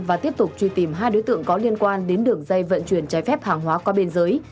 và tiếp tục truy tìm hai đối tượng có liên quan đến đường dây vận chuyển trái phép hàng hóa qua biên giới